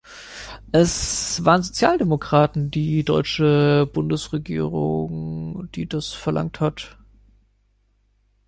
Es waren Sozialdemokraten, die deutsche Bundesregierung, die das verlangt hat.